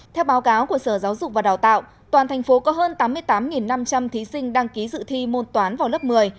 theo báo cáo của sở giáo dục và đào tạo toàn thành phố có hơn tám mươi tám năm trăm linh thí sinh đăng ký dự thi môn toán vào lớp một mươi